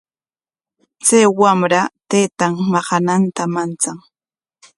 Chay wamra taytan maqananta manchan.